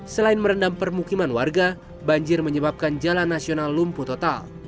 selain merendam permukiman warga banjir menyebabkan jalan nasional lumpuh total